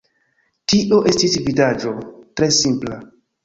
Tio estis vidaĵo tre simpla.